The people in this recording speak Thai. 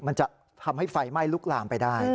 มันจะทำให้ไฟไหม้ลุกลามไปได้